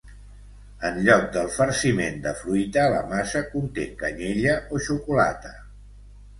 En lloc del farciment de fruita la massa conté canyella o xocolata.